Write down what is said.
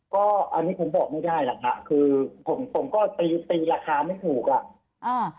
ก็อันนี้ผมบอกไม่ได้หรอกค่ะคือผมผมก็ตีตีราคาไม่ถูกอ่ะอ่า